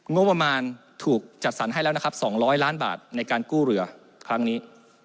งบประมาณถูกจัดสรรให้แล้วนะครับ๒๐๐ล้านบาทในการกู้เรือครั้งนี้